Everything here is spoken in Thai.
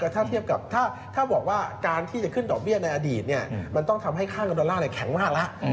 ถ้าเทียบกับถ้าบอกว่าการที่จะขึ้นดอกเบี้ยในอดีตมันต้องทำให้ค่าเงินดอลลาร์แข็งมากแล้ว